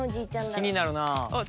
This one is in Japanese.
気になるなあっ